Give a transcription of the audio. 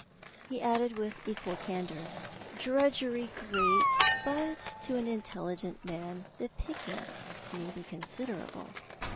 He added with equal candour: "Drudgery great, but to an intelligent man the pickings may be considerable."